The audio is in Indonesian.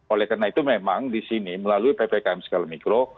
oleh karena itu memang di sini melalui ppkm skala mikro